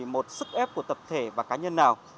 một sức ép của tập thể và cá nhân nào